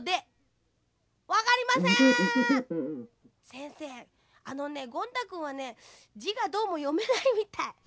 せんせいあのねゴン太くんはねじがどうもよめないみたい。